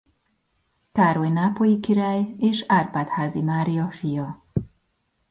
Károly nápolyi király és Árpád-házi Mária fia.